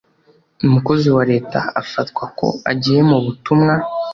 umukozi wa leta afatwa ko agiye mu butumwa